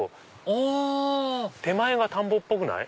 あ手前が田んぼっぽくない？